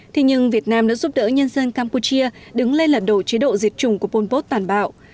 thế nhưng việt nam đã giúp đỡ nhân dân campuchia đứng lên lật đổ chế độ diệt chủng của pol pot tàn bạo